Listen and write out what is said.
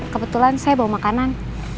kebetulan saya bawa makanan